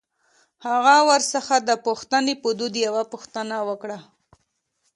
هغه ورڅخه د پوښتنې په دود يوه پوښتنه وکړه.